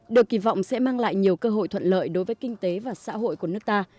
được kỳ vọng sẽ mang lại nhiều cơ hội thuận lợi đối với kinh tế và xã hội của nước ta